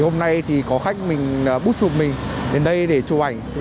hôm nay thì có khách mình bút chụp mình đến đây để chụp ảnh